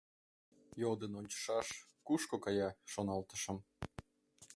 «Йодын ончышаш, кушко кая?» — шоналтышым.